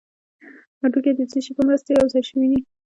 هډوکي د څه شي په مرسته یو ځای شوي دي